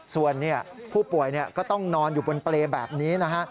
ส่วนผู้ป่วยก็ต้องนอนอยู่บนเปรย์แบบนี้นะฮะ